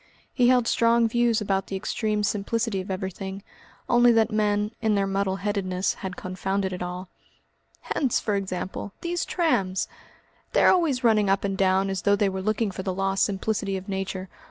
He held strong views about the extreme simplicity of everything, only that men, in their muddle headedness, had confounded it all. "Hence, for example, these trams! They are always running up and down as though they were looking for the lost simplicity of nature.